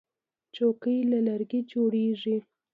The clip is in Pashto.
چوکۍ له لرګي جوړیږي.